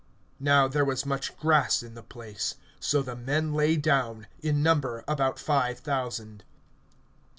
Now there was much grass in the place. So the men lay down, in number about five thousand.